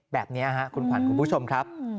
แบบนี้คุณขวัญคุณผู้ชมครับ